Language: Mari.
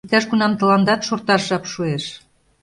Иктаж-кунам тыландат шорташ жап шуэш!..